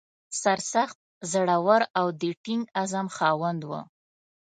سرسخت، زړه ور او د ټینګ عزم خاوند و.